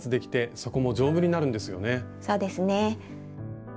そうですね。